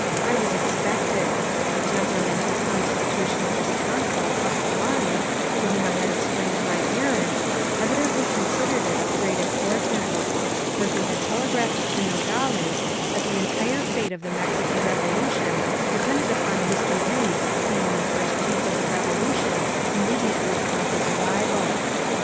I was expected. A temperamental Constitutionalist consul up the line, to whom I had explained my errand, evidently considered it of great importance ; for he had telegraphed to No gales that the entire fate of the Mexican Revolution depended upon Mr. Reed's seeing the First Chief of the Revolution immediately upon his arrival.